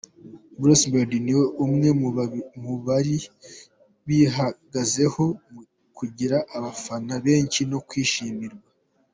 Bruce Melody ni umwe mu bari bihagazeho mu kugira abafana benshi no kwishimirwa